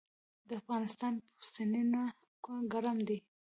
د افغانستان پوستینونه ګرم دي